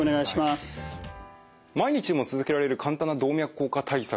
毎日でも続けられる簡単な動脈硬化対策